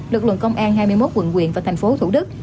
lực lượng công an hai mươi một quận quyện và thành phố thủ đức